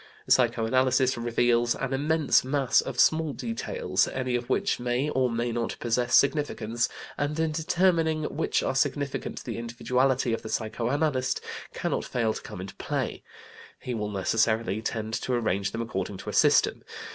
Psycho analysis reveals an immense mass of small details, any of which may or may not possess significance, and in determining which are significant the individuality of the psychoanalyst cannot fail to come into play. He will necessarily tend to arrange them according to a system.